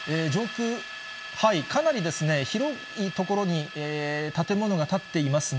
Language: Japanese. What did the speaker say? かなり広い所に建物が建っていますが、